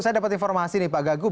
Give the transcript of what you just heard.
saya dapat informasi nih pak gagup